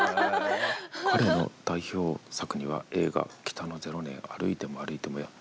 「彼の代表作には映画『北の零年』『歩いても歩いても』や」。あらっ。